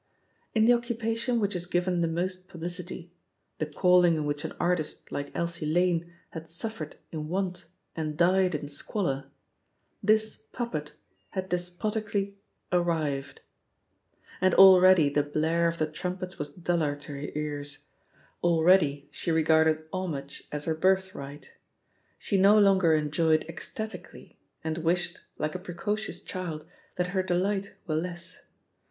In the occupation which is given the most publicity — ^the calling in which an artist like Elsie Lane had suffered in want and died in squalor — ^this puppet had despotically "ar rived." And already the blare of the trumpets was duller to her ears — ^already she regarded homage as her birthright. She no longer enjoyed ec statically, and wished, like a precocious child, that her delight were less.